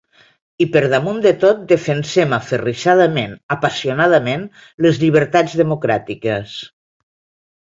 I per damunt de tot, defensem aferrissadament, apassionadament, les llibertats democràtiques.